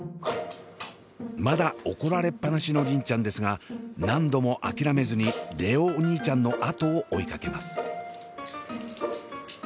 まだ怒られっ放しの梨鈴ちゃんですが何度も諦めずに蓮音お兄ちゃんのあとを追いかけます。